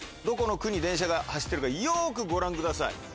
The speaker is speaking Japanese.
どこの区に電車が走ってるかよくご覧ください。